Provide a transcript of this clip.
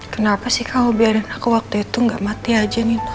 kenapa sih kamu biarin aku waktu itu gak mati aja nih